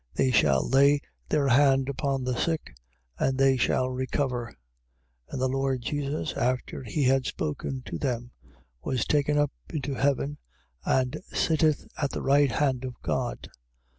They shall lay their hand upon the sick: and they shall recover. 16:19. And the Lord Jesus, after he had spoken to them, was taken up into heaven and sitteth on the right hand of God.